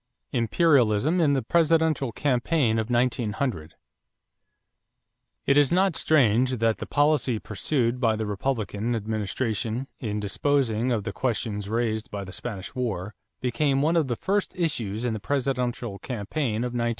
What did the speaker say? =Imperialism in the Presidential Campaign of 1900.= It is not strange that the policy pursued by the Republican administration in disposing of the questions raised by the Spanish War became one of the first issues in the presidential campaign of 1900.